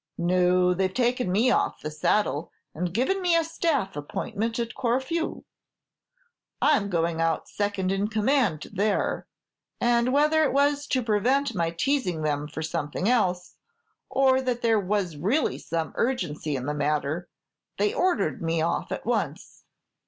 "No; they've taken me off the saddle, and given me a staff appointment at Corfu. I 'm going out second in command there; and whether it was to prevent my teasing them for something else, or that there was really some urgency in the matter, they ordered me off at once."